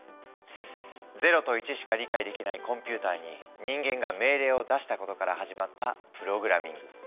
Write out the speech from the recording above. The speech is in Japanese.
０と１しか理解できないコンピューターに人間が命令を出したことから始まったプログラミング。